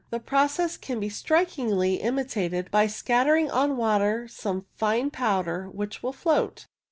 The process can be strikingly imitated by scattering on water some fine powder which will float.